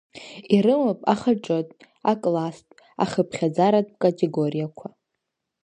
Ирымоуп ахаҿытә, акласстә, ахыԥхьаӡаратә категориақәа.